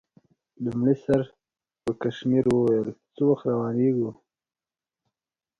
لومړي سر پړکمشر وویل: څه وخت روانېږو؟